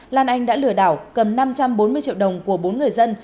lan anh đã lừa đảo cầm năm trăm bốn mươi triệu đồng của bốn người dân